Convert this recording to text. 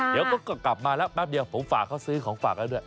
เดี๋ยวก็กลับมาแล้วแป๊บเดียวผมฝากเขาซื้อของฝากแล้วด้วย